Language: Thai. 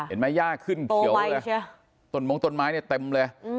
เห็นไหมหญ้าขึ้นเขียวโตไม้ใช่ตนมองตนไม้เนี้ยเต็มเลยอืม